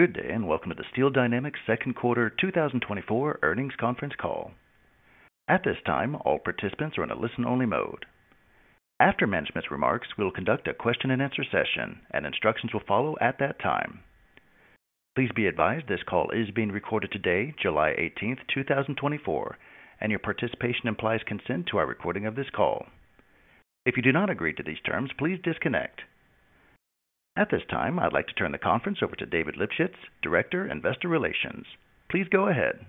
Good day, and welcome to the Steel Dynamics Second Quarter 2024 Earnings Conference Call. At this time, all participants are in a listen-only mode. After management's remarks, we will conduct a question-and-answer session, and instructions will follow at that time. Please be advised this call is being recorded today, July 18, 2024, and your participation implies consent to our recording of this call. If you do not agree to these terms, please disconnect. At this time, I'd like to turn the conference over to David Lipschitz, Director, Investor Relations. Please go ahead.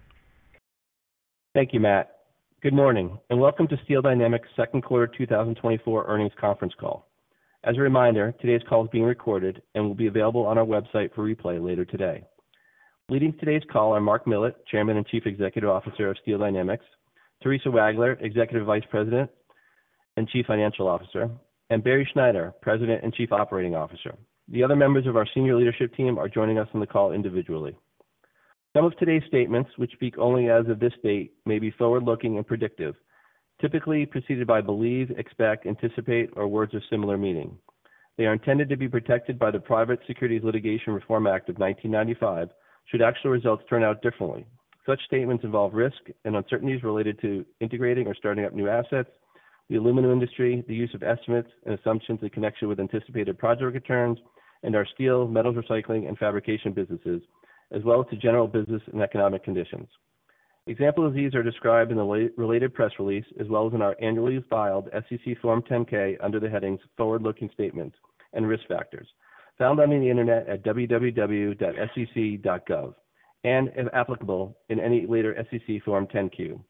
Thank you, Matt. Good morning, and welcome to Steel Dynamics second quarter 2024 earnings conference call. As a reminder, today's call is being recorded and will be available on our website for replay later today. Leading today's call are Mark Millett, Chairman and Chief Executive Officer of Steel Dynamics, Theresa Wagler, Executive Vice President and Chief Financial Officer, and Barry Schneider, President and Chief Operating Officer. The other members of our senior leadership team are joining us on the call individually. Some of today's statements, which speak only as of this date, may be forward-looking and predictive, typically preceded by believe, expect, anticipate, or words of similar meaning. They are intended to be protected by the Private Securities Litigation Reform Act of 1995 should actual results turn out differently. Such statements involve risk and uncertainties related to integrating or starting up new assets, the aluminum industry, the use of estimates and assumptions in connection with anticipated project returns, and our steel, metals recycling, and fabrication businesses, as well as to general business and economic conditions. Examples of these are described in the last related press release, as well as in our annually filed SEC Form 10-K under the headings Forward-Looking Statements and Risk Factors, found on the Internet at www.sec.gov, and, if applicable, in any later SEC Form 10-Q.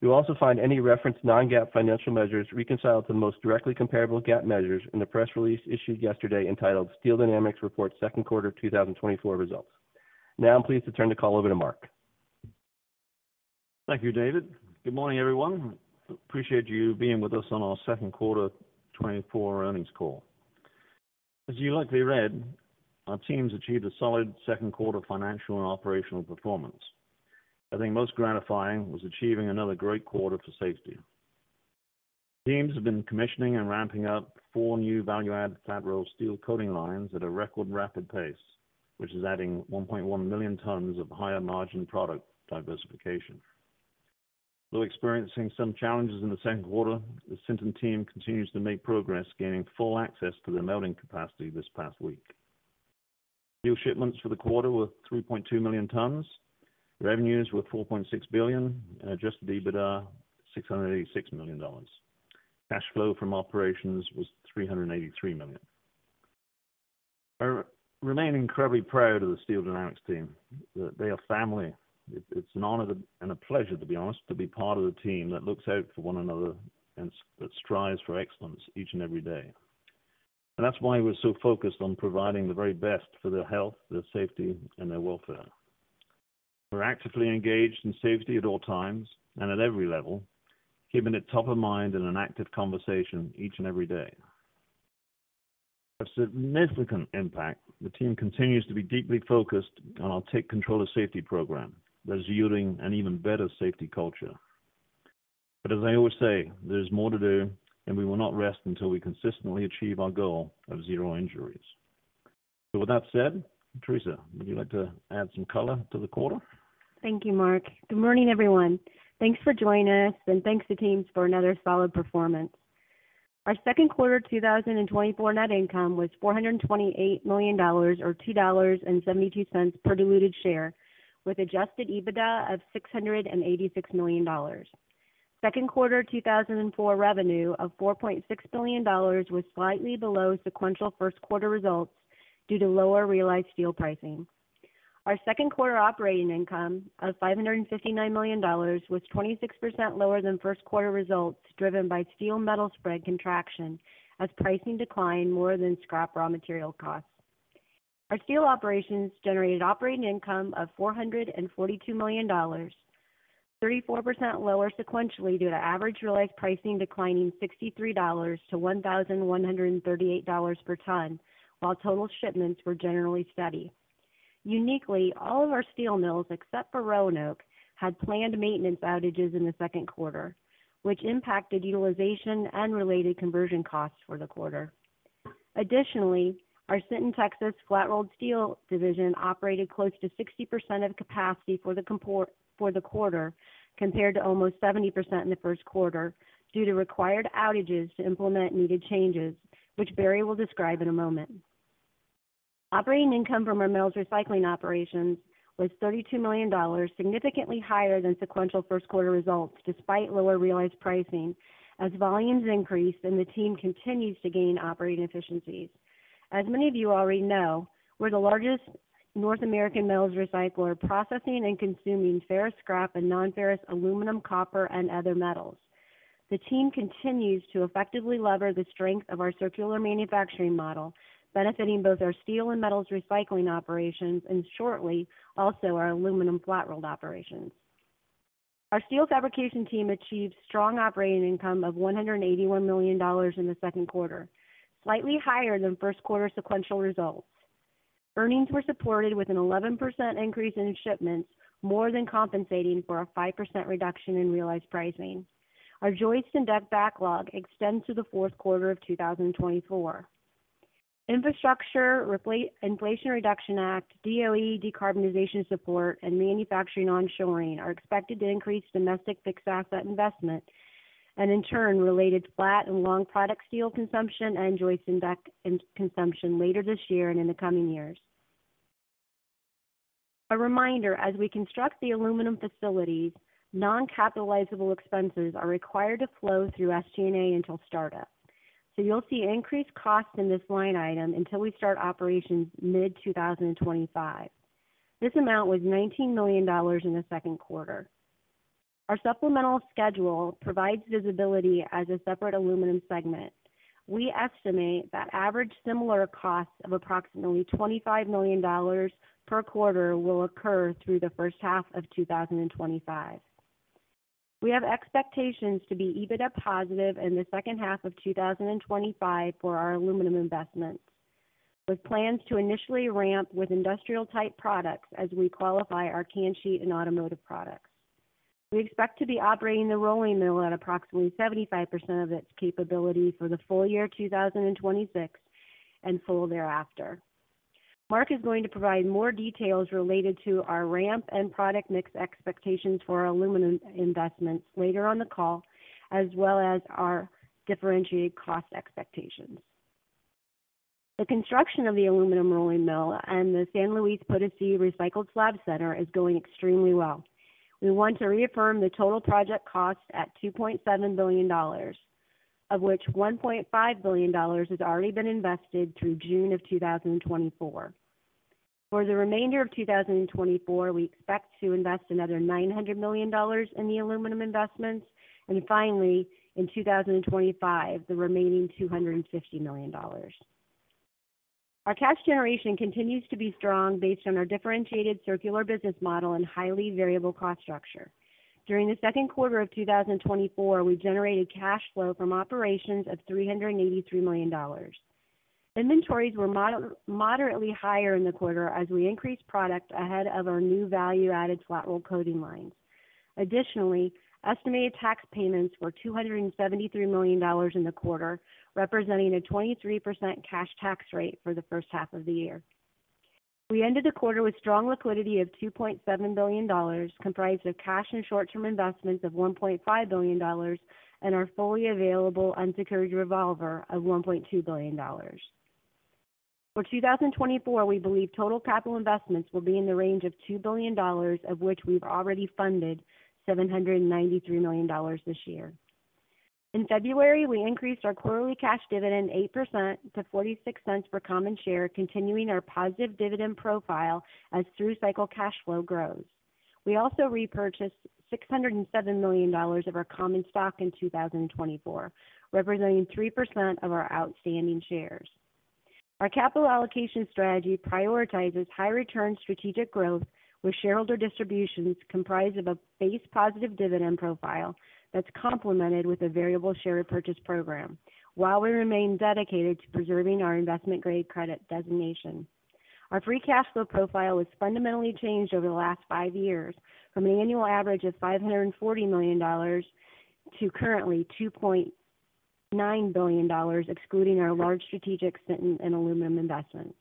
You'll also find any reference non-GAAP financial measures reconciled to the most directly comparable GAAP measures in the press release issued yesterday entitled Steel Dynamics Reports Second Quarter 2024 Results. Now I'm pleased to turn the call over to Mark. Thank you, David. Good morning, everyone. Appreciate you being with us on our second quarter 2024 earnings call. As you likely read, our teams achieved a solid second quarter financial and operational performance. I think most gratifying was achieving another great quarter for safety. Teams have been commissioning and ramping up four new value-add flat-rolled steel coating lines at a record rapid pace, which is adding 1.1 million tons of higher-margin product diversification. While experiencing some challenges in the second quarter, the Sinton team continues to make progress, gaining full access to their melting capacity this past week. Steel shipments for the quarter were 3.2 million tons. Revenues were $4.6 billion and Adjusted EBITDA, $686 million. Cash flow from operations was $383 million. I remain incredibly proud of the Steel Dynamics team. They are family. It's an honor and a pleasure, to be honest, to be part of a team that looks out for one another and that strives for excellence each and every day. And that's why we're so focused on providing the very best for their health, their safety, and their welfare. We're actively engaged in safety at all times and at every level, keeping it top of mind in an active conversation each and every day. A significant impact, the team continues to be deeply focused on our Take Control of Safety program, that is yielding an even better safety culture. But as I always say, there's more to do, and we will not rest until we consistently achieve our goal of zero injuries. So with that said, Theresa, would you like to add some color to the quarter? Thank you, Mark. Good morning, everyone. Thanks for joining us, and thanks to teams for another solid performance. Our second quarter 2024 net income was $428 million, or $2.72 per diluted share, with adjusted EBITDA of $686 million. Second quarter 2024 revenue of $4.6 billion was slightly below sequential first quarter results due to lower realized steel pricing. Our second quarter operating income of $559 million was 26% lower than first quarter results, driven by steel metal spread contraction as pricing declined more than scrap raw material costs. Our steel operations generated operating income of $442 million, 34% lower sequentially due to average realized pricing declining $63 to $1,138 per ton, while total shipments were generally steady. Uniquely, all of our steel mills, except for Roanoke, had planned maintenance outages in the second quarter, which impacted utilization and related conversion costs for the quarter. Additionally, our Sinton, Texas, flat-rolled steel division operated close to 60% of capacity for the quarter, compared to almost 70% in the first quarter, due to required outages to implement needed changes, which Barry will describe in a moment. Operating income from our metals recycling operations was $32 million, significantly higher than sequential first quarter results, despite lower realized pricing, as volumes increased and the team continues to gain operating efficiencies. As many of you already know, we're the largest North American metals recycler, processing and consuming ferrous scrap and nonferrous aluminum, copper, and other metals. The team continues to effectively leverage the strength of our circular manufacturing model, benefiting both our steel and metals recycling operations, and shortly, also our aluminum flat-rolled operations. Our steel fabrication team achieved strong operating income of $181 million in the second quarter, slightly higher than first quarter sequential results. Earnings were supported with an 11% increase in shipments, more than compensating for a 5% reduction in realized pricing. Our joist and deck backlog extends to the fourth quarter of 2024. Infrastructure, Inflation Reduction Act, DOE, decarbonization support, and manufacturing onshoring are expected to increase domestic fixed asset investment, and in turn, related flat and long product steel consumption and joist and deck consumption later this year and in the coming years. A reminder, as we construct the aluminum facilities, non-capitalizable expenses are required to flow through SG&A until startup. So you'll see increased costs in this line item until we start operations mid-2025. This amount was $19 million in the second quarter. Our supplemental schedule provides visibility as a separate aluminum segment. We estimate that average similar costs of approximately $25 million per quarter will occur through the first half of 2025. We have expectations to be EBITDA positive in the second half of 2025 for our aluminum investments, with plans to initially ramp with industrial-type products as we qualify our can sheet and automotive products. We expect to be operating the rolling mill at approximately 75% of its capability for the full year 2026, and full thereafter. Mark is going to provide more details related to our ramp and product mix expectations for our aluminum investments later on the call, as well as our differentiated cost expectations. The construction of the aluminum rolling mill and the San Luis Potosí recycled slab center is going extremely well. We want to reaffirm the total project cost at $2.7 billion, of which $1.5 billion has already been invested through June 2024. For the remainder of 2024, we expect to invest another $900 million in the aluminum investments, and finally, in 2025, the remaining $250 million. Our cash generation continues to be strong based on our differentiated circular business model and highly variable cost structure. During the second quarter of 2024, we generated cash flow from operations of $383 million. Inventories were moderately higher in the quarter as we increased product ahead of our new value-added flat roll coating lines. Additionally, estimated tax payments were $273 million in the quarter, representing a 23% cash tax rate for the first half of the year. We ended the quarter with strong liquidity of $2.7 billion, comprised of cash and short-term investments of $1.5 billion, and our fully available unsecured revolver of $1.2 billion. For 2024, we believe total capital investments will be in the range of $2 billion, of which we've already funded $793 million this year. In February, we increased our quarterly cash dividend 8% to $0.46 per common share, continuing our positive dividend profile as through-cycle cash flow grows. We also repurchased $607 million of our common stock in 2024, representing 3% of our outstanding shares. Our capital allocation strategy prioritizes high return strategic growth, with shareholder distributions comprised of a base positive dividend profile that's complemented with a variable share repurchase program, while we remain dedicated to preserving our investment-grade credit designation. Our free cash flow profile has fundamentally changed over the last 5 years, from an annual average of $540 million to currently $2.9 billion, excluding our large strategic Sinton and aluminum investments.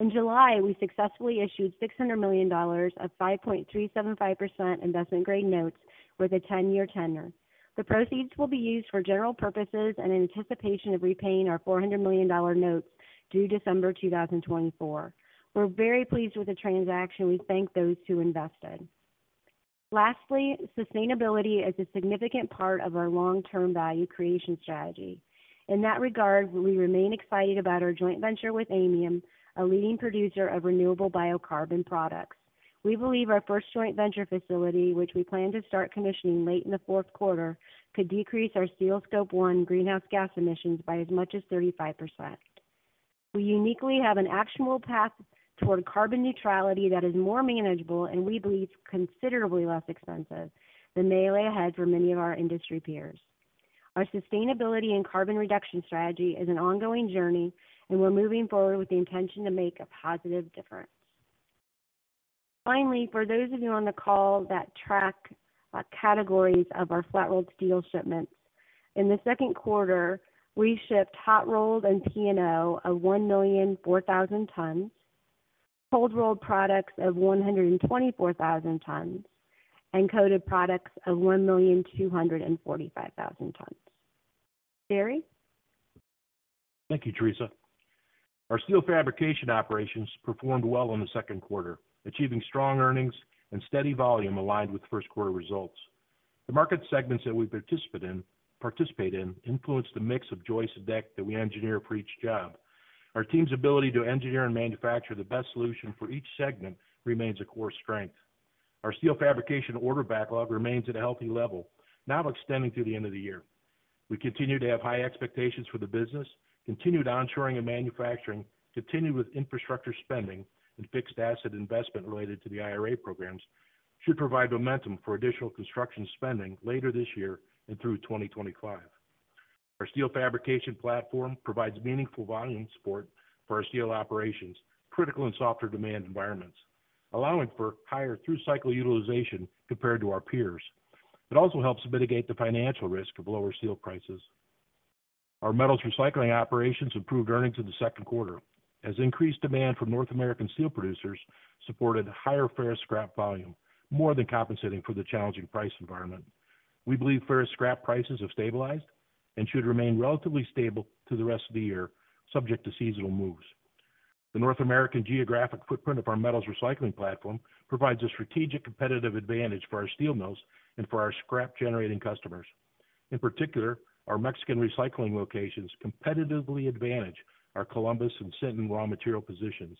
In July, we successfully issued $600 million of 5.375% investment-grade notes with a 10-year tenure. The proceeds will be used for general purposes and in anticipation of repaying our $400 million notes due December 2024. We're very pleased with the transaction. We thank those who invested. Lastly, sustainability is a significant part of our long-term value creation strategy. In that regard, we remain excited about our joint venture with Aymium, a leading producer of renewable biocarbon products. We believe our first joint venture facility, which we plan to start commissioning late in the fourth quarter, could decrease our steel Scope 1 greenhouse gas emissions by as much as 35%. We uniquely have an actionable path toward carbon neutrality that is more manageable and we believe considerably less expensive than may lay ahead for many of our industry peers. Our sustainability and carbon reduction strategy is an ongoing journey, and we're moving forward with the intention to make a positive difference. Finally, for those of you on the call that track categories of our flat-rolled steel shipments, in the second quarter, we shipped hot-rolled and P&O of 1,004,000 tons, cold-rolled products of 124,000 tons, and coated products of 1,245,000 tons. Barry? Thank you, Theresa. Our steel fabrication operations performed well in the second quarter, achieving strong earnings and steady volume aligned with first quarter results. The market segments that we participate in influenced the mix of joist and deck that we engineer for each job. Our team's ability to engineer and manufacture the best solution for each segment remains a core strength. Our steel fabrication order backlog remains at a healthy level, now extending through the end of the year. We continue to have high expectations for the business. Continued onshoring and manufacturing, continued with infrastructure spending and fixed asset investment related to the IRA programs, should provide momentum for additional construction spending later this year and through 2025. Our steel fabrication platform provides meaningful volume support for our steel operations, critical and softer demand environments, allowing for higher through-cycle utilization compared to our peers. It also helps mitigate the financial risk of lower steel prices. Our metals recycling operations improved earnings in the second quarter as increased demand from North American steel producers supported higher ferrous scrap volume, more than compensating for the challenging price environment. We believe ferrous scrap prices have stabilized and should remain relatively stable through the rest of the year, subject to seasonal moves. The North American geographic footprint of our metals recycling platform provides a strategic competitive advantage for our steel mills and for our scrap-generating customers. In particular, our Mexican recycling locations competitively advantage our Columbus and Sinton raw material positions.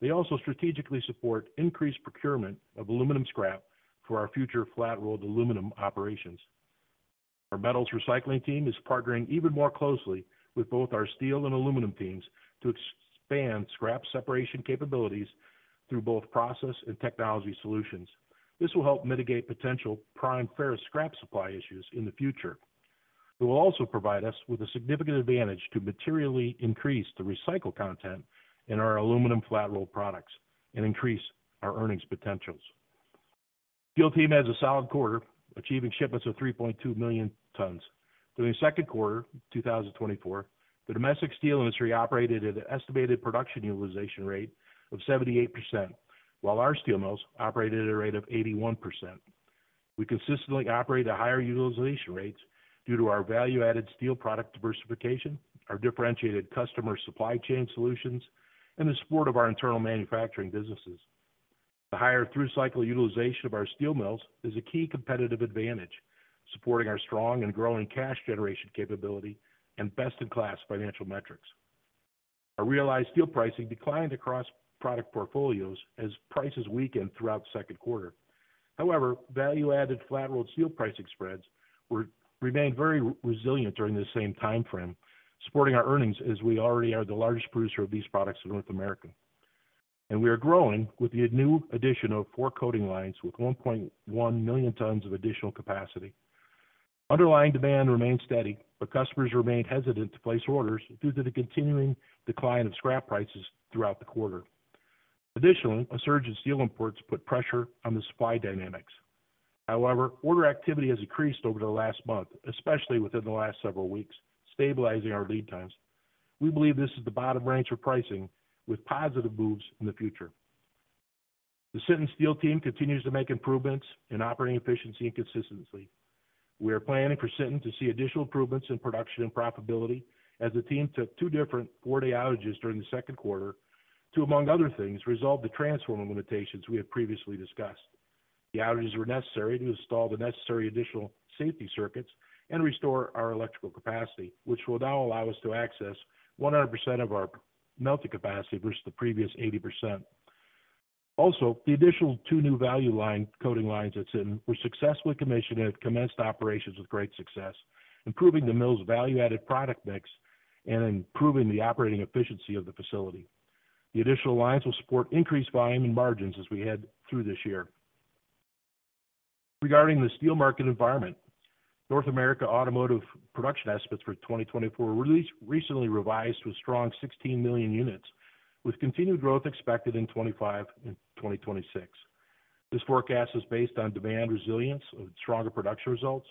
They also strategically support increased procurement of aluminum scrap for our future flat-rolled aluminum operations. Our metals recycling team is partnering even more closely with both our steel and aluminum teams to expand scrap separation capabilities through both process and technology solutions. This will help mitigate potential prime ferrous scrap supply issues in the future. It will also provide us with a significant advantage to materially increase the recycled content in our aluminum flat-rolled products and increase our earnings potentials. Steel team has a solid quarter, achieving shipments of 3.2 million tons. During the second quarter of 2024, the domestic steel industry operated at an estimated production utilization rate of 78%, while our steel mills operated at a rate of 81%. We consistently operate at higher utilization rates due to our value-added steel product diversification, our differentiated customer supply chain solutions, and the support of our internal manufacturing businesses. The higher through-cycle utilization of our steel mills is a key competitive advantage, supporting our strong and growing cash generation capability and best-in-class financial metrics. Our realized steel pricing declined across product portfolios as prices weakened throughout the second quarter. However, value-added flat-rolled steel pricing spreads remained very resilient during the same timeframe, supporting our earnings as we already are the largest producer of these products in North America. We are growing with the new addition of four coating lines with 1.1 million tons of additional capacity. Underlying demand remains steady, but customers remain hesitant to place orders due to the continuing decline of scrap prices throughout the quarter. Additionally, a surge in steel imports put pressure on the supply dynamics. However, order activity has increased over the last month, especially within the last several weeks, stabilizing our lead times. We believe this is the bottom range of pricing, with positive moves in the future. The Sinton Steel team continues to make improvements in operating efficiency and consistency. We are planning for Sinton to see additional improvements in production and profitability as the team took two different four-day outages during the second quarter to, among other things, resolve the transformer limitations we had previously discussed. The outages were necessary to install the necessary additional safety circuits and restore our electrical capacity, which will now allow us to access 100% of our melting capacity versus the previous 80%. Also, the additional two new value-added coating lines at Sinton were successfully commissioned and have commenced operations with great success, improving the mill's value-added product mix and improving the operating efficiency of the facility. The additional lines will support increased volume and margins as we head through this year. Regarding the steel market environment, North America automotive production estimates for 2024 were released, recently revised to a strong 16 million units, with continued growth expected in 2025 and 2026. This forecast is based on demand resilience with stronger production results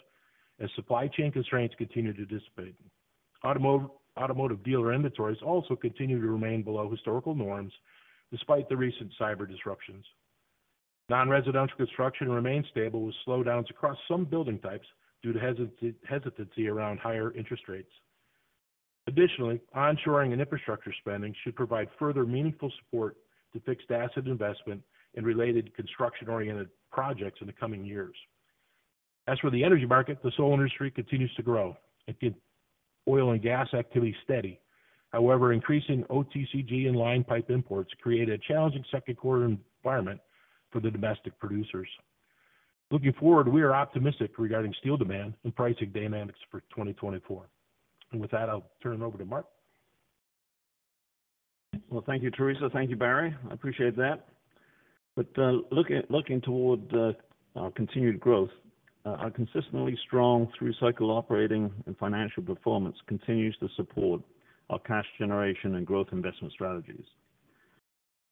as supply chain constraints continue to dissipate. Automotive dealer inventories also continue to remain below historical norms despite the recent cyber disruptions. Non-residential construction remains stable, with slowdowns across some building types due to hesitancy around higher interest rates. Additionally, onshoring and infrastructure spending should provide further meaningful support to fixed asset investment and related construction-oriented projects in the coming years. As for the energy market, the solar industry continues to grow and keep oil and gas activity steady. However, increasing OCTG and line pipe imports create a challenging second quarter environment for the domestic producers. Looking forward, we are optimistic regarding steel demand and pricing dynamics for 2024. And with that, I'll turn it over to Mark. Well, thank you, Theresa. Thank you, Barry. I appreciate that. But looking toward our continued growth, our consistently strong through-cycle operating and financial performance continues to support our cash generation and growth investment strategies.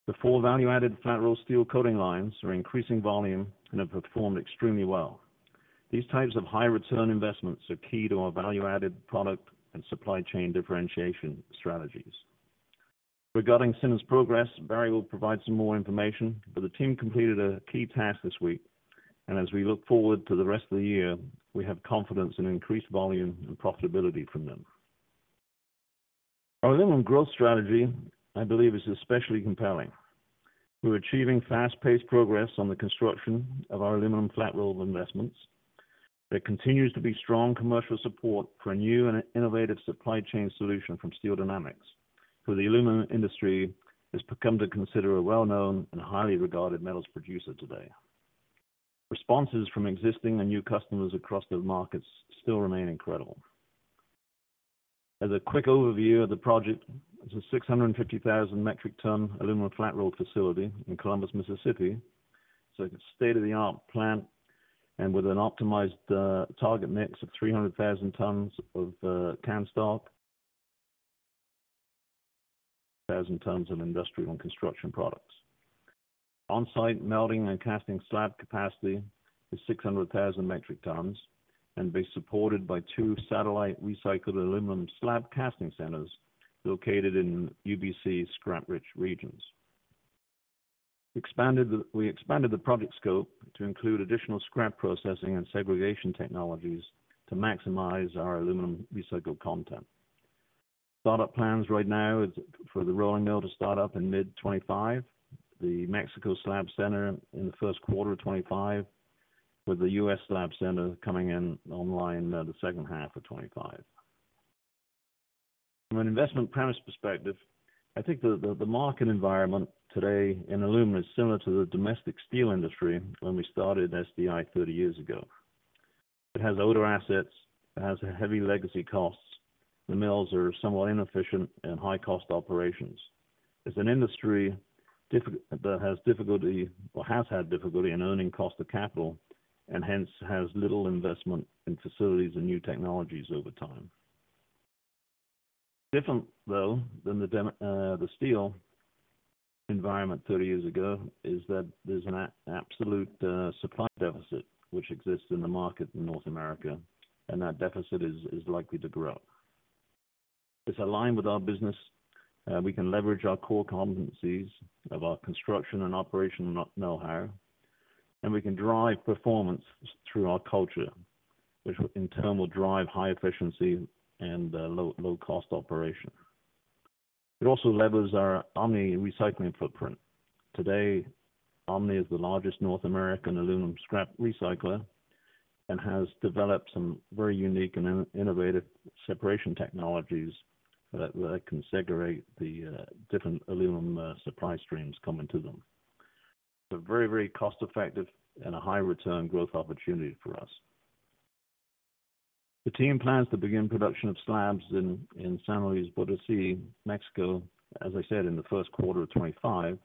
The four value-added flat-roll steel coating lines are increasing volume and have performed extremely well. These types of high-return investments are key to our value-added product and supply chain differentiation strategies. Regarding Sinton's progress, Barry will provide some more information, but the team completed a key task this week. And as we look forward to the rest of the year, we have confidence in increased volume and profitability from them. Our aluminum growth strategy, I believe, is especially compelling. We're achieving fast-paced progress on the construction of our aluminum flat-roll investments. There continues to be strong commercial support for a new and innovative supply chain solution from Steel Dynamics, who the aluminum industry has become to consider a well-known and highly regarded metals producer today. Responses from existing and new customers across the markets still remain incredible. As a quick overview of the project, it's a 650,000 metric ton aluminum flat-roll facility in Columbus, Mississippi. So it's a state-of-the-art plant and with an optimized target mix of 300,000 tons of can stock, as in terms of industrial and construction products. On-site melting and casting slab capacity is 600,000 metric tons, and be supported by two satellite recycled aluminum slab casting centers located in UBC scrap-rich regions. We expanded the project scope to include additional scrap processing and segregation technologies to maximize our aluminum recycled content. Startup plans right now is for the rolling mill to start up in mid-2025, the Mexico slab center in the first quarter of 2025, with the U.S. slab center coming online, the second half of 2025. From an investment premise perspective, I think the, the, the market environment today in aluminum is similar to the domestic steel industry when we started SDI 30 years ago. It has older assets, it has heavy legacy costs. The mills are somewhat inefficient and high cost operations. It's an industry that has difficulty or has had difficulty in earning cost of capital, and hence has little investment in facilities and new technologies over time. Different, though, than the steel environment 30 years ago, is that there's an absolute supply deficit which exists in the market in North America, and that deficit is, is likely to grow. It's aligned with our business, we can leverage our core competencies of our construction and operation know-how, and we can drive performance through our culture, which in turn will drive high efficiency and low-cost operation. It also levers our Omni recycling footprint. Today, Omni is the largest North American aluminum scrap recycler, and has developed some very unique and innovative separation technologies that can segregate the different aluminum supply streams coming to them. It's a very, very cost-effective and a high return growth opportunity for us. The team plans to begin production of slabs in San Luis Potosí, Mexico, as I said, in the first quarter of 2025,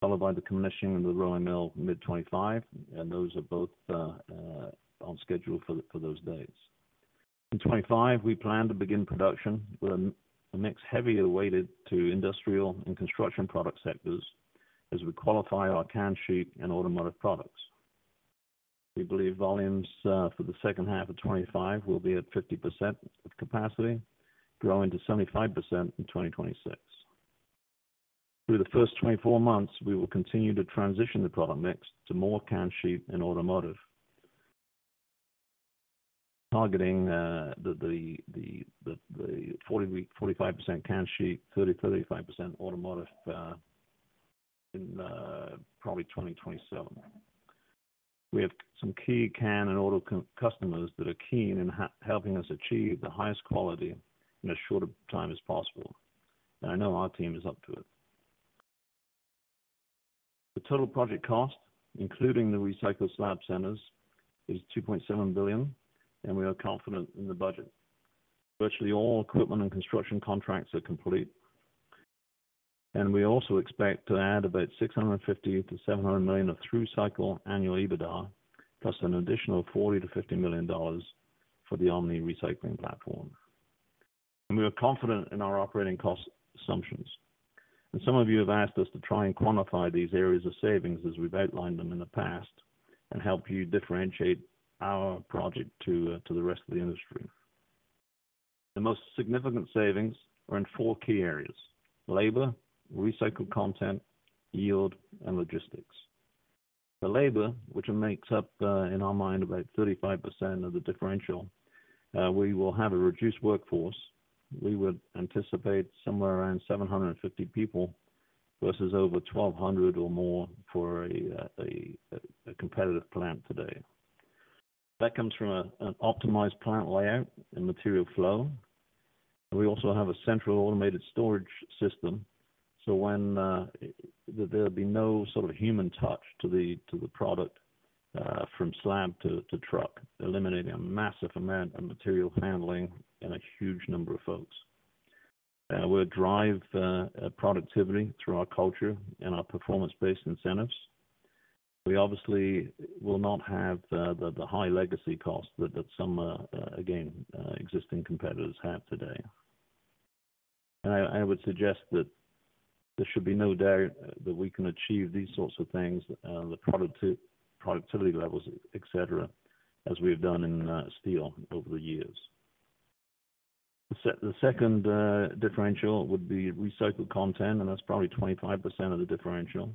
followed by the commissioning of the rolling mill mid-2025, and those are both on schedule for those dates. In 2025, we plan to begin production with a mix heavily weighted to industrial and construction product sectors as we qualify our can sheet and automotive products. We believe volumes for the second half of 2025 will be at 50% of capacity, growing to 75% in 2026. Through the first 24 months, we will continue to transition the product mix to more can sheet and automotive. Targeting the 40%-45% can sheet, 30%-35% automotive, in probably 2027. We have some key can and auto customers that are keen in helping us achieve the highest quality in as short a time as possible, and I know our team is up to it. The total project cost, including the recycled slab centers, is $2.7 billion, and we are confident in the budget. Virtually all equipment and construction contracts are complete. We also expect to add about $650-$700 million of through-cycle annual EBITDA, plus an additional $40-$50 million for the Omni recycling platform. We are confident in our operating cost assumptions. Some of you have asked us to try and quantify these areas of savings as we've outlined them in the past, and help you differentiate our project to the rest of the industry. The most significant savings are in four key areas: labor, recycled content, yield, and logistics. The labor, which makes up, in our mind, about 35% of the differential, we will have a reduced workforce. We would anticipate somewhere around 750 people versus over 1,200 or more for a competitive plant today. That comes from an optimized plant layout and material flow. We also have a central automated storage system, so when... There'll be no sort of human touch to the product from slab to truck, eliminating a massive amount of material handling and a huge number of folks. We'll drive productivity through our culture and our performance-based incentives. We obviously will not have the high legacy cost that some existing competitors have today. I would suggest that there should be no doubt that we can achieve these sorts of things, the productivity levels, et cetera, as we have done in steel over the years. The second differential would be recycled content, and that's probably 25% of the differential.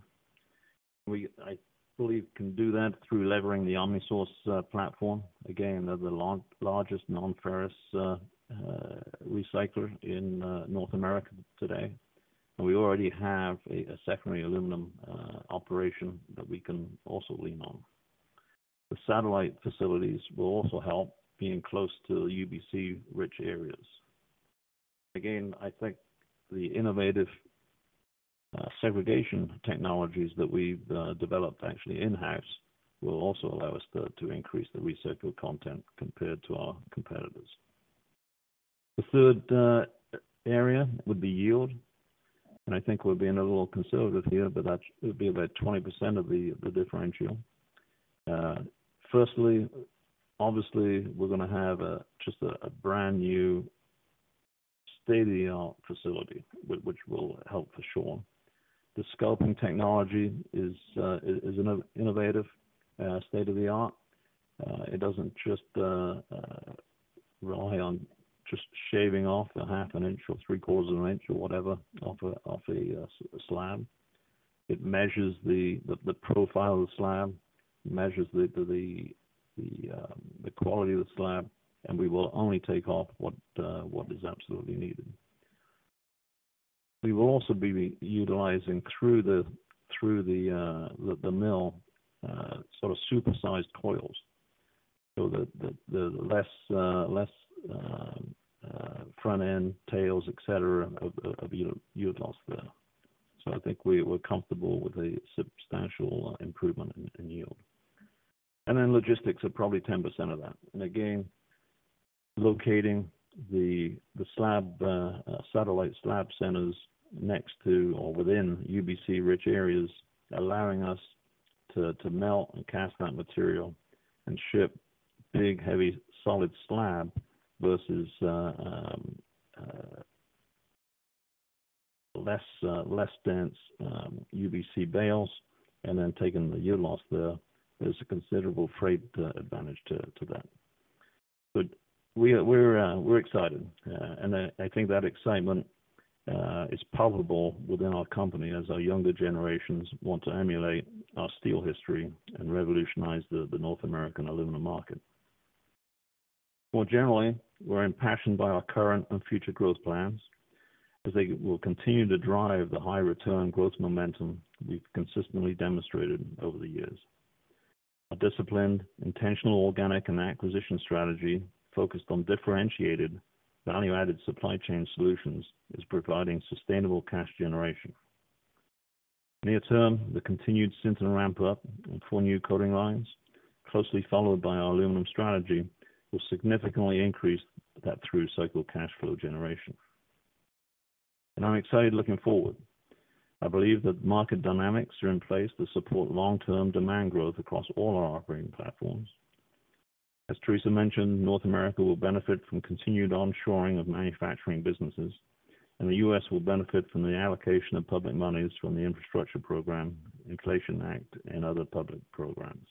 We, I believe, can do that through levering the OmniSource platform. Again, they're the largest non-ferrous recycler in North America today, and we already have a secondary aluminum operation that we can also lean on. The satellite facilities will also help being close to the UBC-rich areas. Again, I think the innovative segregation technologies that we've developed actually in-house will also allow us to increase the recycled content compared to our competitors. The third area would be yield, and I think we're being a little conservative here, but that's it would be about 20% of the differential. Firstly, obviously, we're gonna have just a brand new state-of-the-art facility, which will help for sure. The scalping technology is innovative state-of-the-art. It doesn't just rely on just shaving off a half an inch or three-quarters of an inch or whatever, off a slab. It measures the profile of the slab, measures the quality of the slab, and we will only take off what is absolutely needed. We will also be utilizing through the mill sort of super-sized coils. So that the less front end tails, et cetera, of yield loss there. So I think we're comfortable with a substantial improvement in yield. And then logistics are probably 10% of that. Again, locating the slab satellite slab centers next to or within UBC-rich areas, allowing us to melt and cast that material and ship big, heavy, solid slab versus less dense UBC bales, and then taking the yield loss there, there's a considerable freight advantage to that. But we are excited, and I think that excitement is palpable within our company as our younger generations want to emulate our steel history and revolutionize the North American aluminum market. More generally, we're impassioned by our current and future growth plans, as they will continue to drive the high return growth momentum we've consistently demonstrated over the years. Our disciplined, intentional, organic, and acquisition strategy, focused on differentiated value-added supply chain solutions, is providing sustainable cash generation. Near term, the continued Sinton ramp up and four new coating lines, closely followed by our aluminum strategy, will significantly increase that through-cycle cash flow generation. I'm excited looking forward. I believe that market dynamics are in place to support long-term demand growth across all our operating platforms. As Theresa mentioned, North America will benefit from continued onshoring of manufacturing businesses, and the U.S. will benefit from the allocation of public monies from the infrastructure program, Inflation Reduction Act, and other public programs.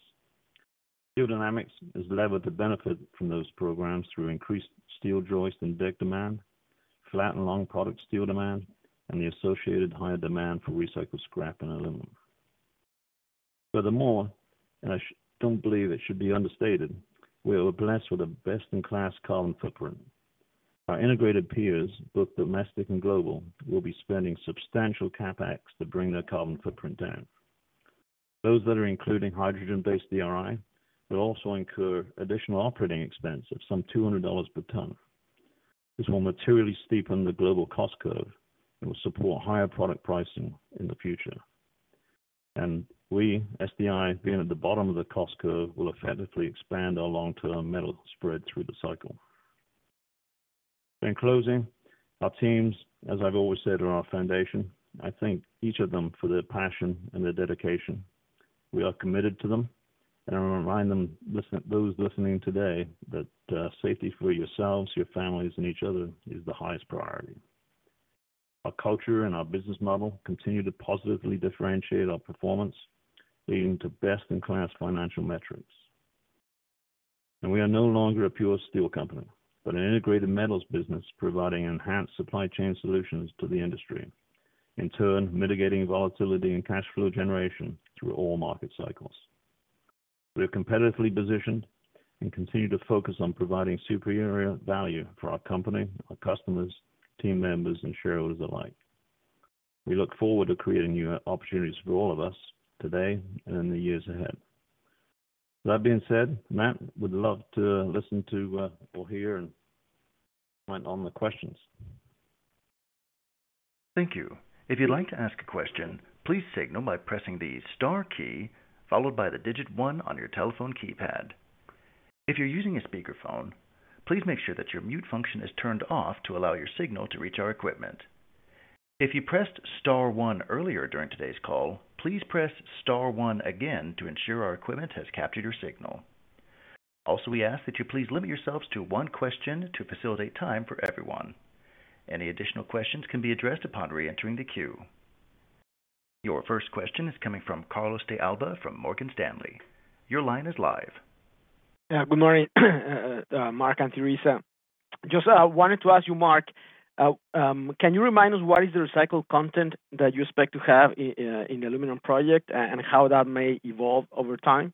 Steel Dynamics is levered to benefit from those programs through increased steel joist and deck demand, flat and long product steel demand, and the associated higher demand for recycled scrap and aluminum. Furthermore, I don't believe it should be understated, we are blessed with a best-in-class carbon footprint. Our integrated peers, both domestic and global, will be spending substantial CapEx to bring their carbon footprint down. Those that are including hydrogen-based DRI will also incur additional operating expenses, some $200 per ton. This will materially steepen the global cost curve and will support higher product pricing in the future. We, SDI, being at the bottom of the cost curve, will effectively expand our long-term metal spread through the cycle. In closing, our teams, as I've always said, are our foundation. I thank each of them for their passion and their dedication. We are committed to them, and I remind them, listen, those listening today, that safety for yourselves, your families, and each other is the highest priority. Our culture and our business model continue to positively differentiate our performance, leading to best-in-class financial metrics. And we are no longer a pure steel company, but an integrated metals business, providing enhanced supply chain solutions to the industry. In turn, mitigating volatility and cash flow generation through all market cycles. We are competitively positioned and continue to focus on providing superior value for our company, our customers, team members and shareholders alike. We look forward to creating new opportunities for all of us today and in the years ahead. That being said, Matt, would love to listen to people here and went on the questions. Thank you. If you'd like to ask a question, please signal by pressing the * key, followed by the digit one on your telephone keypad. If you're using a speakerphone, please make sure that your mute function is turned off to allow your signal to reach our equipment. If you pressed * one earlier during today's call, please press * one again to ensure our equipment has captured your signal. Also, we ask that you please limit yourselves to one question to facilitate time for everyone. Any additional questions can be addressed upon reentering the queue. Your first question is coming from Carlos de Alba from Morgan Stanley. Your line is live. Yeah. Good morning, Mark and Theresa. Just wanted to ask you, Mark, can you remind us what is the recycled content that you expect to have in the aluminum project, and how that may evolve over time?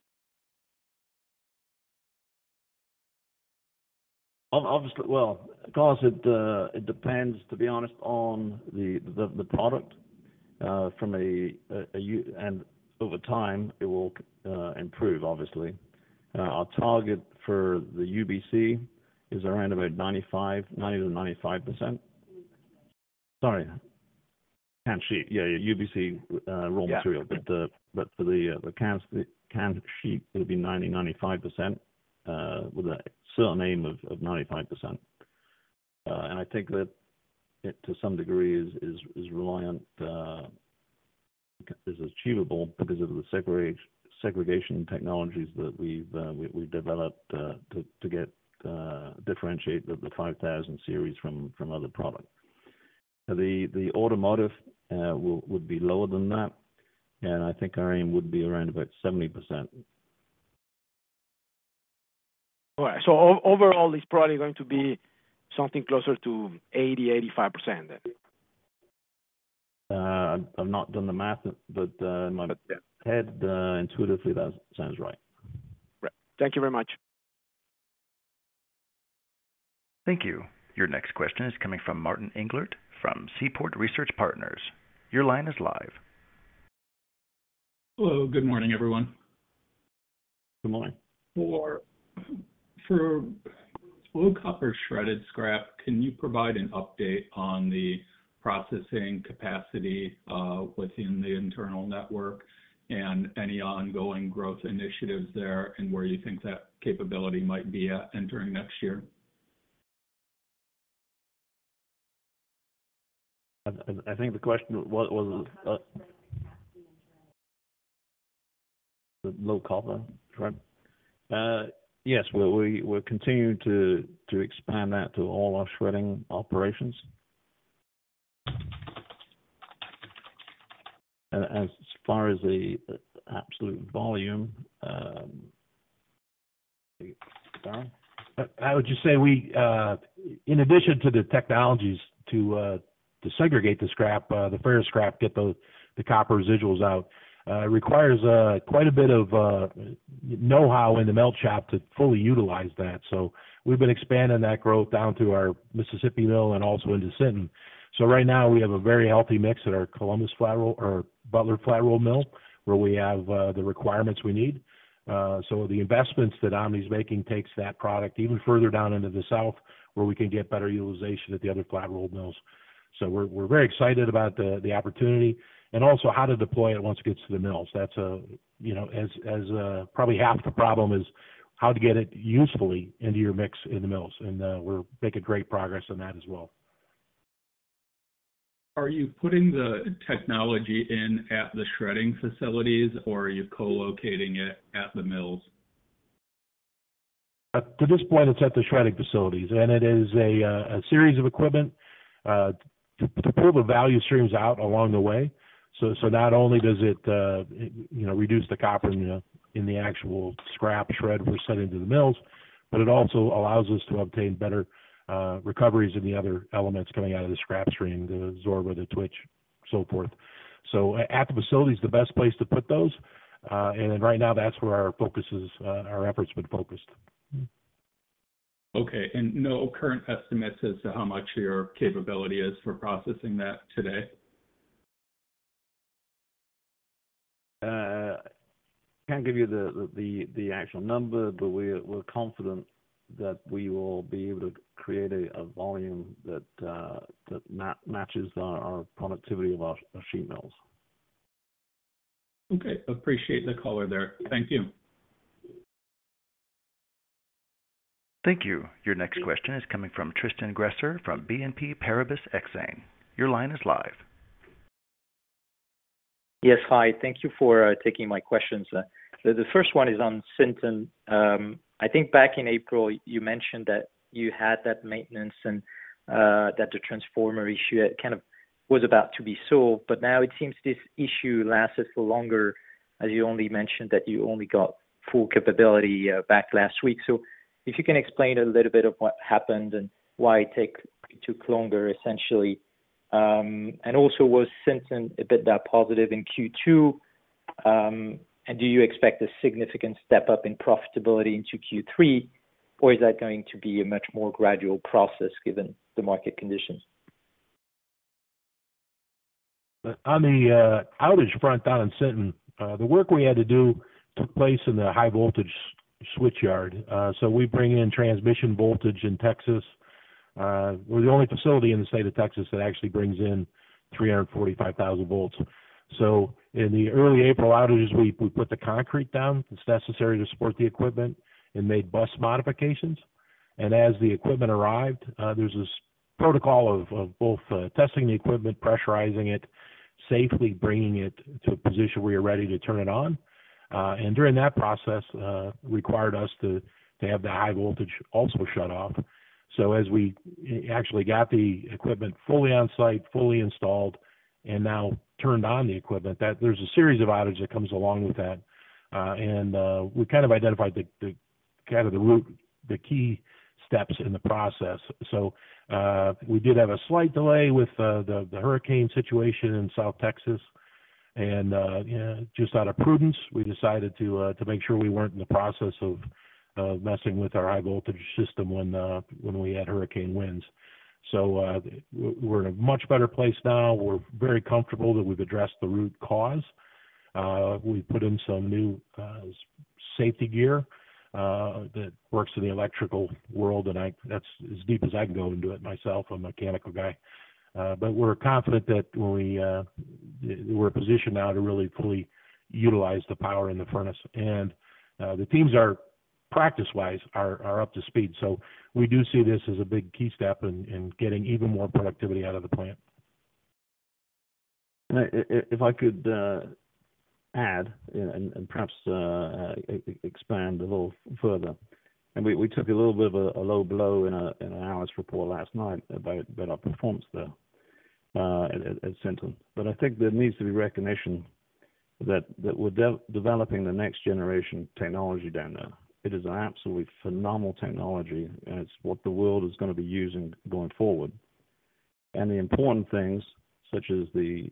Obviously... Well, Carlos, it depends, to be honest, on the product from a and over time, it will improve, obviously. Our target for the UBC is around about 95, 90-95%.... Sorry, can sheet. Yeah, yeah, UBC raw material. But for the cans, the can sheet, it'll be 95%, with a certain of 95%. And I think that it, to some degree, is reliant, is achievable because of the segregation technologies that we've developed to differentiate the 5000 Series from other product. The automotive would be lower than that, and I think our aim would be around about 70%. All right. So overall, it's probably going to be something closer to 80%-85% then? I've not done the math, but, in my head, intuitively, that sounds right. Right. Thank you very much. Thank you. Your next question is coming from Martin Englert from Seaport Research Partners. Your line is live. Hello, good morning, everyone. Good morning. For low copper shredded scrap, can you provide an update on the processing capacity within the internal network and any ongoing growth initiatives there, and where you think that capability might be at entering next year? I think the question was the low copper, right? Yes, we're continuing to expand that to all our shredding operations. As far as the absolute volume, Don? I would just say we, in addition to the technologies to segregate the scrap, the ferrous scrap, get the copper residuals out, it requires quite a bit of know-how in the melt shop to fully utilize that. So we've been expanding that growth down to our Mississippi mill and also into Sinton. So right now, we have a very healthy mix at our Columbus flat roll or Butler Flat Roll mill, where we have the requirements we need. So the investments that Omni is making takes that product even further down into the south, where we can get better utilization at the other flat roll mills. So we're very excited about the opportunity and also how to deploy it once it gets to the mills. That's, you know, probably half the problem is how to get it usefully into your mix in the mills, and we're making great progress on that as well. Are you putting the technology in at the shredding facilities, or are you co-locating it at the mills? Up to this point, it's at the shredding facilities, and it is a series of equipment to pull the value streams out along the way. So not only does it, you know, reduce the copper in the actual scrap shred we're sending to the mills, but it also allows us to obtain better recoveries in the other elements coming out of the scrap stream, the Zorba or the Twitch, so forth. So at the facility is the best place to put those, and right now, that's where our focus is, our efforts have been focused. Okay. And no current estimates as to how much your capability is for processing that today? Can't give you the actual number, but we're confident that we will be able to create a volume that matches our productivity of our sheet mills. Okay. Appreciate the color there. Thank you. Thank you. Your next question is coming from Tristan Gresser from BNP Paribas Exane. Your line is live. Yes. Hi, thank you for taking my questions. The first one is on Sinton. I think back in April, you mentioned that you had that maintenance and that the transformer issue kind of was about to be solved, but now it seems this issue lasted for longer, as you only mentioned, that you only got full capability back last week. So if you can explain a little bit of what happened and why it took longer, essentially. And also, was Sinton thermomechanical rolling in Q2? And do you expect a significant step up in profitability into Q3, or is that going to be a much more gradual process, given the market conditions? On the outage front, down in Sinton, the work we had to do took place in the high voltage switch yard. So we bring in transmission voltage in Texas. We're the only facility in the state of Texas that actually brings in 345,000 volts. So in the early April outages, we put the concrete down. It's necessary to support the equipment and made bus modifications. And as the equipment arrived, there's this protocol of both testing the equipment, pressurizing it, safely bringing it to a position where you're ready to turn it on. And during that process, required us to have the high voltage also shut off. So as we actually got the equipment fully on site, fully installed, and now turned on the equipment, that there's a series of outages that comes along with that. And we kind of identified the root, the key steps in the process. So we did have a slight delay with the hurricane situation in South Texas. And you know, just out of prudence, we decided to make sure we weren't in the process of messing with our high voltage system when we had hurricane winds. So we're in a much better place now. We're very comfortable that we've addressed the root cause. We put in some new sp-... safety gear that works in the electrical world, and that's as deep as I can go into it myself, a mechanical guy. But we're confident that when we, we're positioned now to really fully utilize the power in the furnace. And the teams are, practice-wise, up to speed. So we do see this as a big key step in getting even more productivity out of the plant. And if I could add and perhaps expand a little further. And we took a little bit of a low blow in an analyst report last night about our performance there at Sinton. But I think there needs to be recognition that we're developing the next generation technology down there. It is an absolutely phenomenal technology, and it's what the world is gonna be using going forward. And the important things, such as the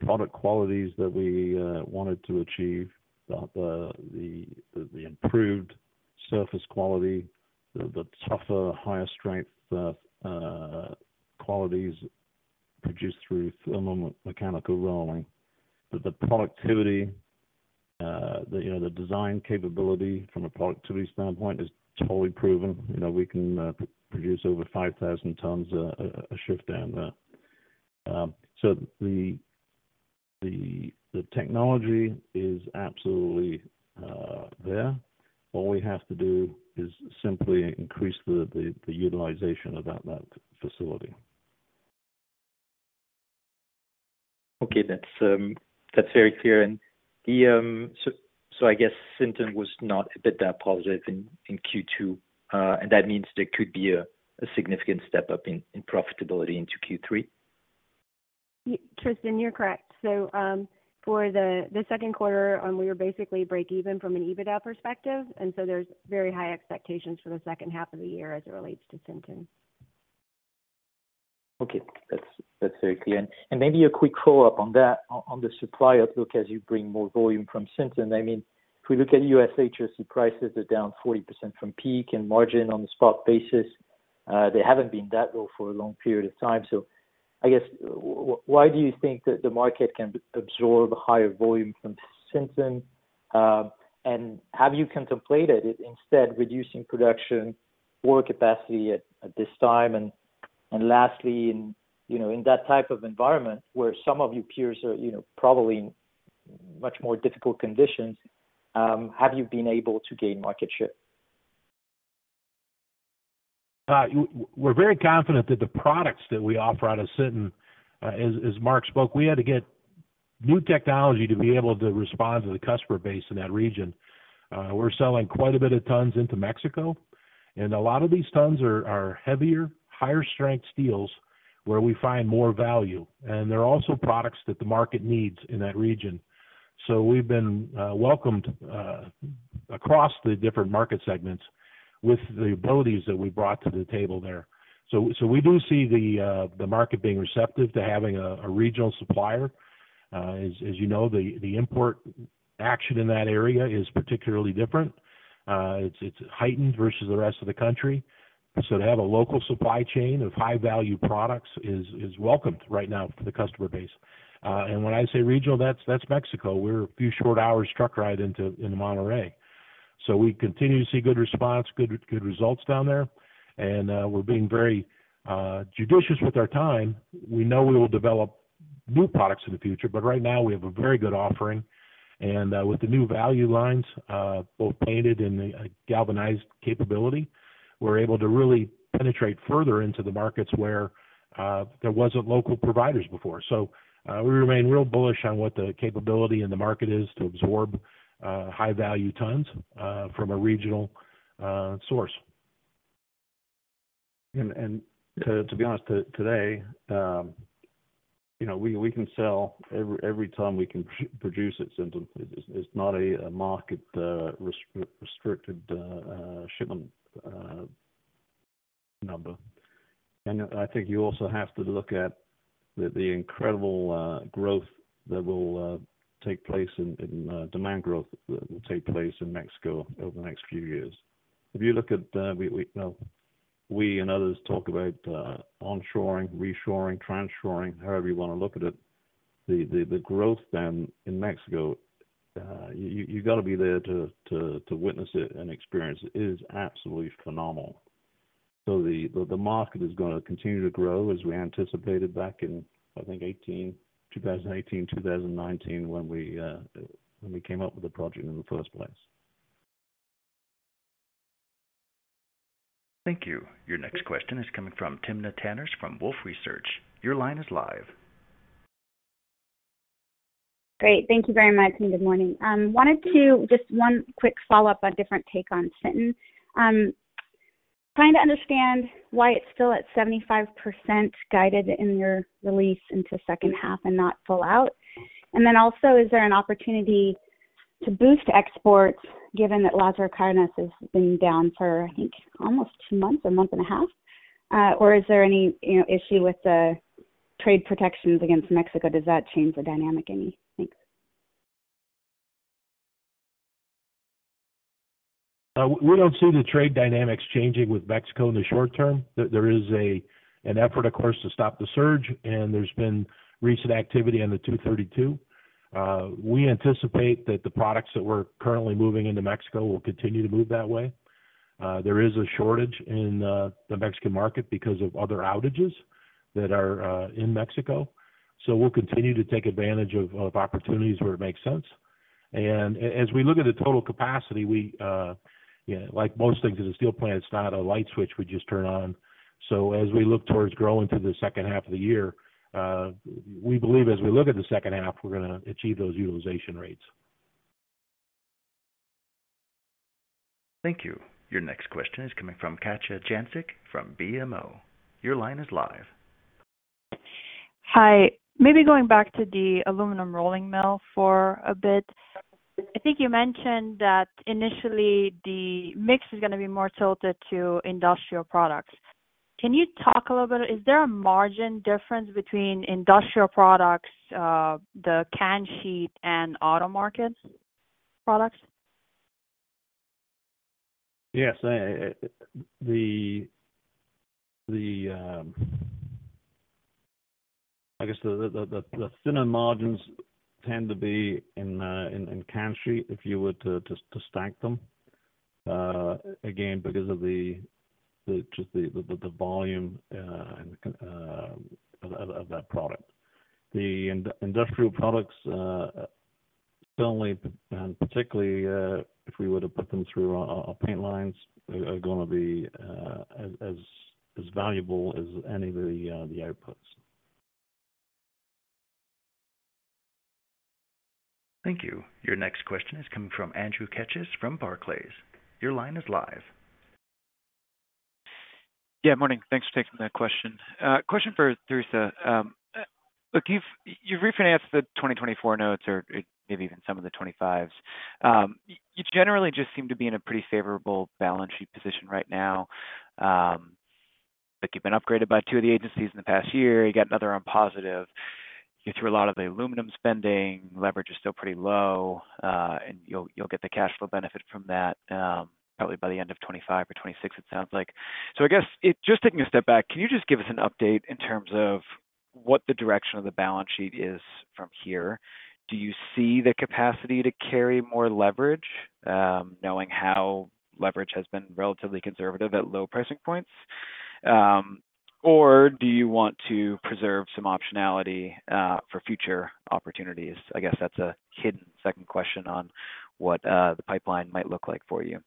product qualities that we wanted to achieve, the improved surface quality, the tougher, higher strength qualities produced through thermomechanical rolling. That the productivity, you know, the design capability from a productivity standpoint is totally proven. You know, we can produce over 5,000 tons a shift down there. So the technology is absolutely there. All we have to do is simply increase the utilization of that facility. Okay, that's, that's very clear. And the, so, so I guess Sinton was not EBITDA positive in Q2, and that means there could be a significant step up in profitability into Q3? Yes, Tristan, you're correct. So, for the second quarter, we were basically break even from an EBITDA perspective, and so there's very high expectations for the second half of the year as it relates to Sinton. Okay. That's very clear. And maybe a quick follow-up on that, on the supply outlook as you bring more volume from Sinton. I mean, if we look at US HRC, prices are down 40% from peak and margin on the spot basis. They haven't been that low for a long period of time. So I guess, why do you think that the market can absorb higher volume from Sinton? And have you contemplated instead reducing production or capacity at this time? And lastly, in that type of environment where some of your peers are, you know, probably in much more difficult conditions, have you been able to gain market share? We're very confident that the products that we offer out of Sinton, as Mark spoke, we had to get new technology to be able to respond to the customer base in that region. We're selling quite a bit of tons into Mexico, and a lot of these tons are heavier, higher-strength steels, where we find more value, and they're also products that the market needs in that region. So we've been welcomed across the different market segments with the abilities that we brought to the table there. So we do see the market being receptive to having a regional supplier. As you know, the import action in that area is particularly different. It's heightened versus the rest of the country. So to have a local supply chain of high-value products is welcomed right now for the customer base. And when I say regional, that's Mexico. We're a few short hours truck ride into Monterrey. So we continue to see good response, good results down there, and we're being very judicious with our time. We know we will develop new products in the future, but right now we have a very good offering. And with the new value-addeds, both painted and the galvanized capability, we're able to really penetrate further into the markets where there wasn't local providers before. So we remain real bullish on what the capability in the market is to absorb high-value tons from a regional source. To be honest, today, you know, we can sell every ton we can produce at Sinton. It's not a market-restricted shipment number. I think you also have to look at the incredible growth that will take place in demand growth that will take place in Mexico over the next few years. If you look at, we, you know, we and others talk about onshoring, reshoring, transshoring, however you want to look at it, the growth down in Mexico, you gotta be there to witness it and experience it. It is absolutely phenomenal. So the market is gonna continue to grow, as we anticipated back in, I think, 2018, 2019, when we came up with the project in the first place. Thank you. Your next question is coming from Timna Tanners from Wolfe Research. Your line is live. Great. Thank you very much, and good morning. Wanted to... Just one quick follow-up on different take on Sinton. Trying to understand why it's still at 75% guided in your release into second half and not full out. And then also, is there an opportunity to boost exports, given that Lázaro Cárdenas has been down for, I think, almost two months, a month and a half? Or is there any, you know, issue with the trade protections against Mexico? Does that change the dynamic any? Thanks.... We don't see the trade dynamics changing with Mexico in the short term. There is an effort, of course, to stop the surge, and there's been recent activity on the Section 232. We anticipate that the products that we're currently moving into Mexico will continue to move that way. There is a shortage in the Mexican market because of other outages that are in Mexico. So we'll continue to take advantage of opportunities where it makes sense. And as we look at the total capacity, we, you know, like most things as a steel plant, it's not a light switch we just turn on. So as we look towards growing through the second half of the year, we believe as we look at the second half, we're gonna achieve those utilization rates. Thank you. Your next question is coming from Katja Jancic from BMO. Your line is live. Hi. Maybe going back to the aluminum rolling mill for a bit. I think you mentioned that initially, the mix is gonna be more tilted to industrial products. Can you talk a little bit, is there a margin difference between industrial products, the can sheet and auto markets products? Yes, I guess the thinner margins tend to be in can sheet, if you were to stack them, again, because of just the volume and of that product. The industrial products, certainly, and particularly, if we were to put them through our paint lines, are gonna be as valuable as any of the outputs. Thank you. Your next question is coming from Andrew Kachel from Barclays. Your line is live. Yeah, morning. Thanks for taking that question. Question for Theresa. Look, you've, you've refinanced the 2024 notes or maybe even some of the 2025s. You generally just seem to be in a pretty favorable balance sheet position right now. Look, you've been upgraded by two of the agencies in the past year. You got another on positive. You're through a lot of the aluminum spending. Leverage is still pretty low, and you'll, you'll get the cash flow benefit from that, probably by the end of 2025 or 2026, it sounds like. So I guess, just taking a step back, can you just give us an update in terms of what the direction of the balance sheet is from here? Do you see the capacity to carry more leverage, knowing how leverage has been relatively conservative at low pricing points? Or do you want to preserve some optionality for future opportunities? I guess that's a hidden second question on what the pipeline might look like for you.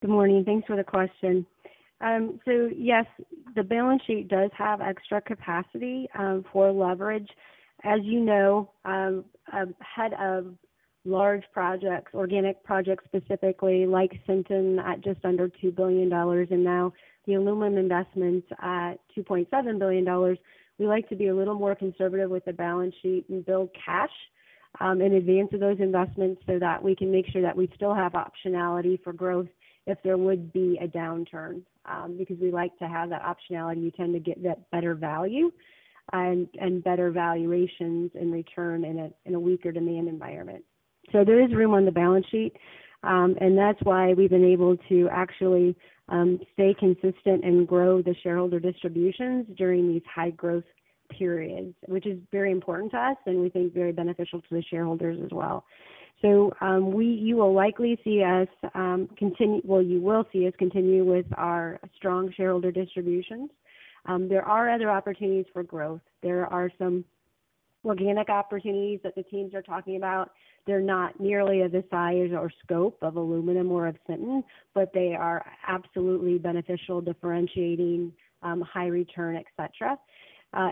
Good morning. Thanks for the question. So, yes, the balance sheet does have extra capacity, for leverage. As you know, ahead of large projects, organic projects, specifically, like Sinton, at just under $2 billion, and now the aluminum investments at $2.7 billion. We like to be a little more conservative with the balance sheet and build cash, in advance of those investments, so that we can make sure that we still have optionality for growth if there would be a downturn, because we like to have that optionality. We tend to get that better value and, and better valuations in return in a, in a weaker demand environment. So there is room on the balance sheet, and that's why we've been able to actually stay consistent and grow the shareholder distributions during these high-growth periods, which is very important to us and we think very beneficial to the shareholders as well. So, you will likely see us continue. Well, you will see us continue with our strong shareholder distributions. There are other opportunities for growth. There are some organic opportunities that the teams are talking about. They're not nearly of the size or scope of aluminum or of Sinton, but they are absolutely beneficial, differentiating, high return, et cetera.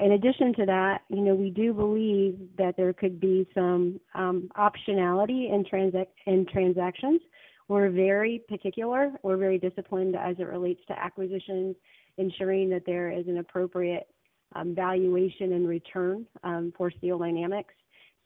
In addition to that, you know, we do believe that there could be some optionality in transactions. We're very particular. We're very disciplined as it relates to acquisitions, ensuring that there is an appropriate valuation and return for Steel Dynamics.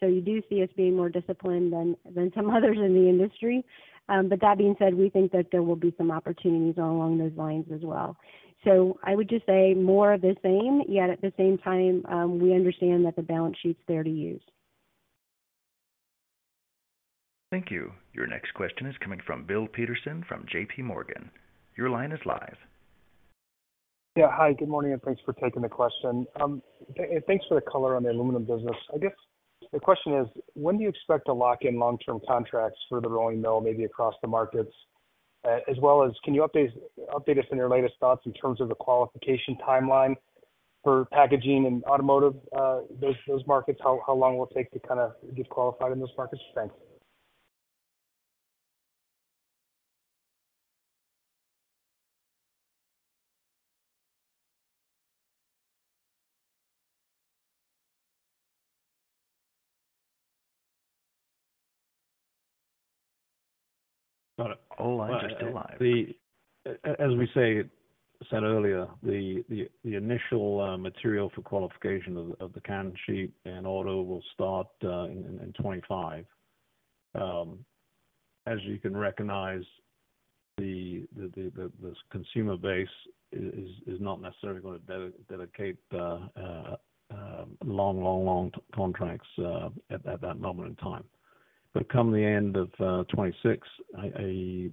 So you do see us being more disciplined than some others in the industry. But that being said, we think that there will be some opportunities along those lines as well. So I would just say more of the same, yet at the same time, we understand that the balance sheet's there to use. Thank you. Your next question is coming from Bill Peterson from J.P. Morgan. Your line is live. Yeah. Hi, good morning, and thanks for taking the question. Thanks for the color on the aluminum business. I guess the question is: When do you expect to lock in long-term contracts for the rolling mill, maybe across the markets? As well as, can you update us on your latest thoughts in terms of the qualification timeline for packaging and automotive, those markets? How long will it take to kind of get qualified in those markets? Thanks. All lines still live. As we said earlier, the initial material for qualification of the can sheet and auto will start in 2025. As you can recognize-... the consumer base is not necessarily going to dedicate long contracts at that moment in time. But come the end of 2026, I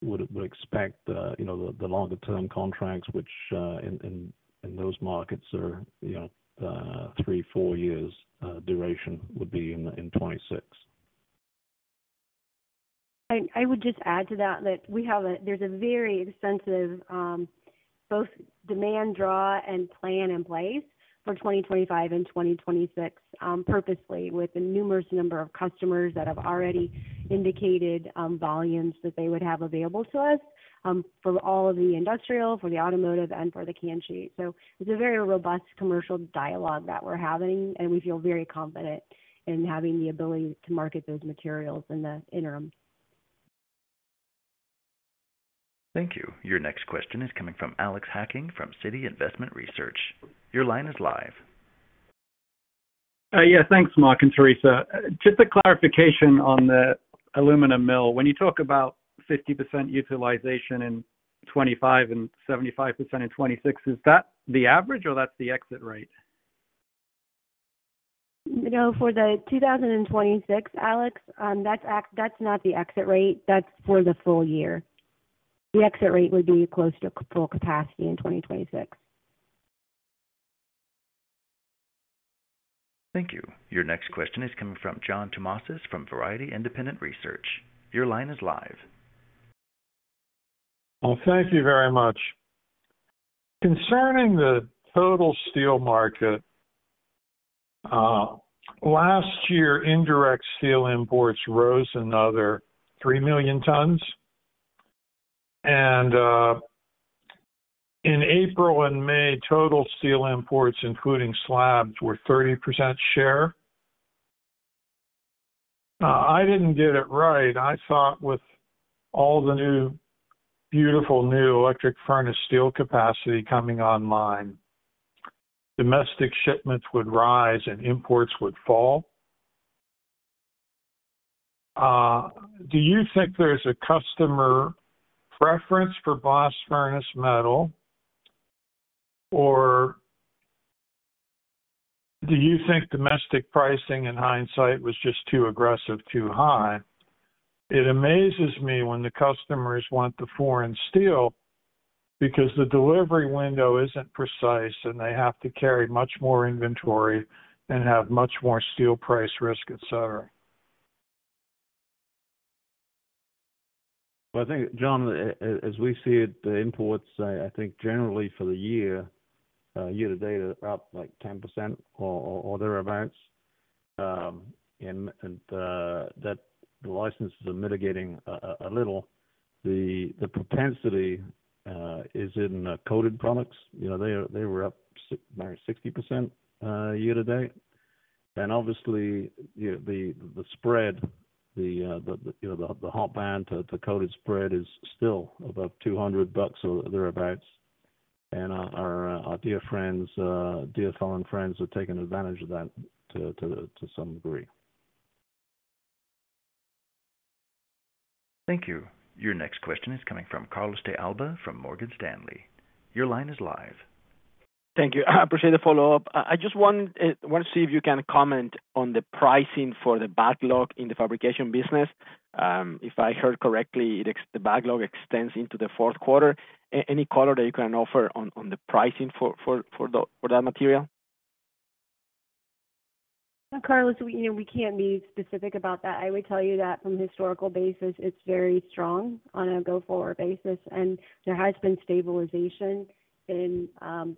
would expect, you know, the longer-term contracts, which in those markets are, you know, 3-4 years duration would be in 2026. I would just add to that, that we have a, there's a very extensive both demand draw and plan in place for 2025 and 2026, purposely with the numerous number of customers that have already indicated volumes that they would have available to us for all of the industrial, for the automotive, and for the can sheet. So it's a very robust commercial dialogue that we're having, and we feel very confident in having the ability to market those materials in the interim. Thank you. Your next question is coming from Alex Hacking, from Citi Investment Research. Your line is live. Yeah, thanks, Mark and Theresa. Just a clarification on the aluminum mill. When you talk about 50% utilization in 2025 and 75% in 2026, is that the average or that's the exit rate? No, for the 2026, Alex, that's – that's not the exit rate, that's for the full year. The exit rate would be close to full capacity in 2026. Thank you. Your next question is coming from John Tumazos from Very Independent Research. Your line is live. Well, thank you very much. Concerning the total steel market, last year, indirect steel imports rose another 3 million tons. In April and May, total steel imports, including slabs, were 30% share. I didn't get it right. I thought with all the new, beautiful new electric furnace steel capacity coming online, domestic shipments would rise and imports would fall. Do you think there's a customer preference for blast furnace metal, or do you think domestic pricing in hindsight was just too aggressive, too high? It amazes me when the customers want the foreign steel because the delivery window isn't precise, and they have to carry much more inventory and have much more steel price risk, et cetera. Well, I think, John, as we see it, the imports, I think generally for the year, year to date, are up, like, 10% or thereabouts. And that the licenses are mitigating a little. The propensity is in coated products. You know, they were up 60%, year to date. And obviously, you know, the spread, the hot band to coated spread is still above $200 or thereabouts. And our dear friends, dear foreign friends, have taken advantage of that to some degree. Thank you. Your next question is coming from Carlos de Alba from Morgan Stanley. Your line is live. Thank you. I appreciate the follow-up. I just want to see if you can comment on the pricing for the backlog in the fabrication business. If I heard correctly, the backlog extends into the fourth quarter. Any color that you can offer on the pricing for that material? Carlos, we, you know, we can't be specific about that. I would tell you that from a historical basis, it's very strong on a go-forward basis, and there has been stabilization in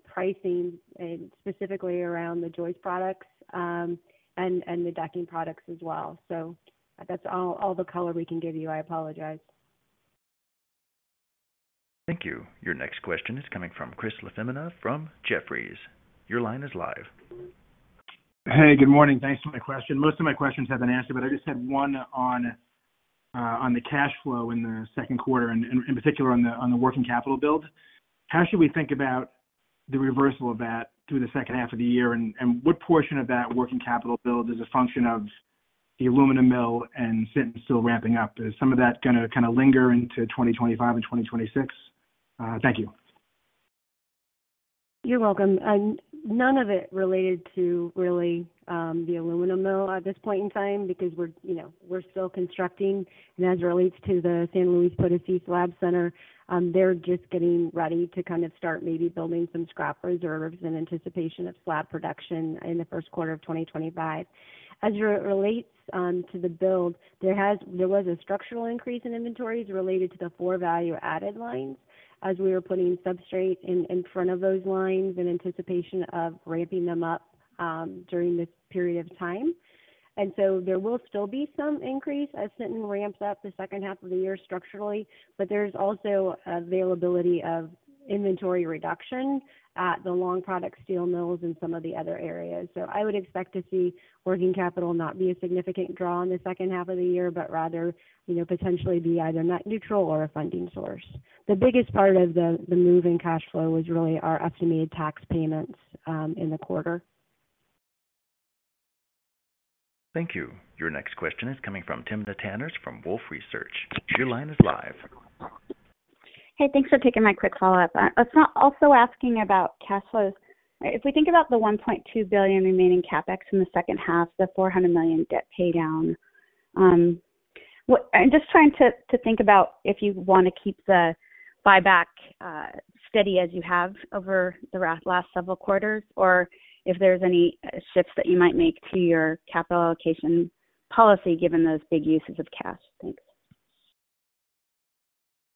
pricing and specifically around the joist products, and the decking products as well. So that's all the color we can give you. I apologize. Thank you. Your next question is coming from Chris LaFemina from Jefferies. Your line is live. Hey, good morning. Thanks for my question. Most of my questions have been answered, but I just had one on, on the cash flow in the second quarter and, in particular, on the, on the working capital build. How should we think about the reversal of that through the second half of the year, and, what portion of that working capital build is a function of the aluminum mill and Sinton still ramping up? Is some of that gonna kind of linger into 2025 and 2026? Thank you. You're welcome. None of it related to really the aluminum mill at this point in time, because we're, you know, we're still constructing. As it relates to the San Luis Potosí Slab Center, they're just getting ready to kind of start maybe building some scrap reserves in anticipation of slab production in the first quarter of 2025. As it relates to the build, there was a structural increase in inventories related to the four value-added lines as we were putting substrate in, in front of those lines in anticipation of ramping them up during this period of time. And so there will still be some increase as Sinton ramps up the second half of the year structurally, but there's also availability of inventory reduction at the long product steel mills and some of the other areas. I would expect to see working capital not be a significant draw in the second half of the year, but rather, you know, potentially be either net neutral or a funding source. The biggest part of the move in cash flow was really our estimated tax payments in the quarter. Thank you. Your next question is coming from Timna Tanners from Wolfe Research. Your line is live. Hey, thanks for taking my quick follow-up. I was also asking about cash flows. If we think about the $1.2 billion remaining CapEx in the second half, the $400 million debt pay down, what... I'm just trying to, to think about if you want to keep the buyback, steady as you have over the last several quarters, or if there's any shifts that you might make to your capital allocation policy, given those big uses of cash? Thanks.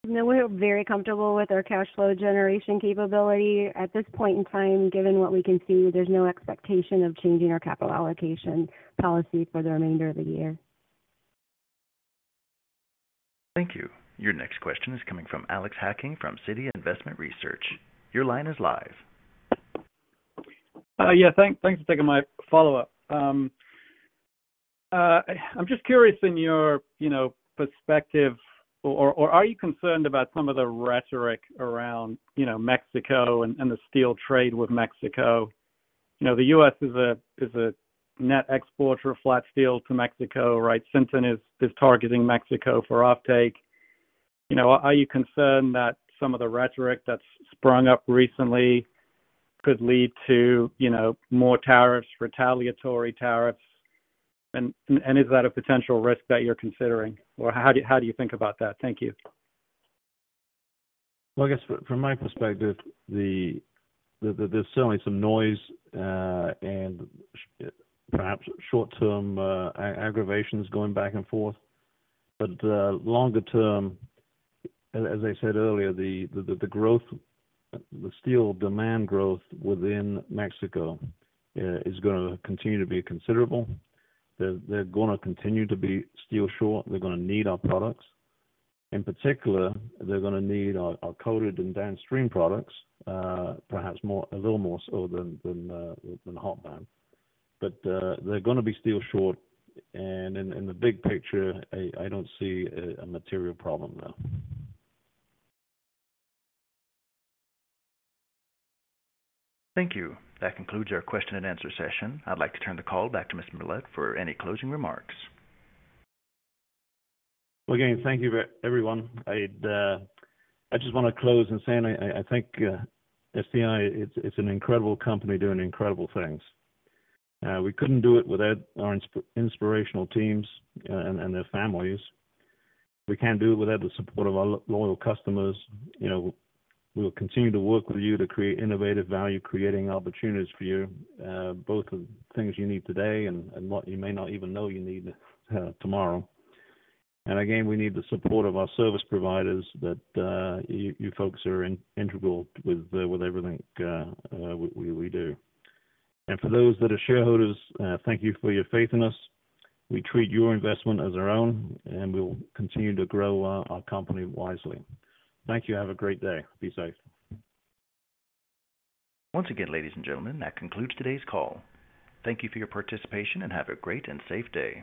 No, we're very comfortable with our cash flow generation capability. At this point in time, given what we can see, there's no expectation of changing our capital allocation policy for the remainder of the year. Thank you. Your next question is coming from Alex Hacking, from Citi Investment Research. Your line is live. Thanks for taking my follow-up. I'm just curious in your, you know, perspective, or, or are you concerned about some of the rhetoric around, you know, Mexico and, and the steel trade with Mexico? You know, the U.S. is a net exporter of flat steel to Mexico, right? Sinton is targeting Mexico for offtake. You know, are you concerned that some of the rhetoric that's sprung up recently could lead to, you know, more tariffs, retaliatory tariffs? And is that a potential risk that you're considering, or how do you think about that? Thank you. Well, I guess from my perspective, there's certainly some noise, and perhaps short-term aggravations going back and forth. But longer term, as I said earlier, the steel demand growth within Mexico is gonna continue to be considerable. They're gonna continue to be steel short. They're gonna need our products. In particular, they're gonna need our coated and downstream products, perhaps more, a little more so than hot band. But they're gonna be steel short. And in the big picture, I don't see a material problem there. Thank you. That concludes our question and answer session. I'd like to turn the call back to Mr. Millett for any closing remarks. Well, again, thank you, very everyone. I'd, I just want to close in saying I think SDI it's an incredible company doing incredible things. We couldn't do it without our inspirational teams and their families. We can't do it without the support of our loyal customers. You know, we will continue to work with you to create innovative value, creating opportunities for you both the things you need today and what you may not even know you need tomorrow. And again, we need the support of our service providers that you folks are integral with everything we do. And for those that are shareholders, thank you for your faith in us. We treat your investment as our own, and we will continue to grow our company wisely. Thank you. Have a great day. Be safe. Once again, ladies and gentlemen, that concludes today's call. Thank you for your participation, and have a great and safe day.